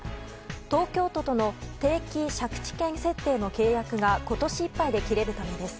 東京都との定期借地権設定の契約が今年いっぱいで切れるためです。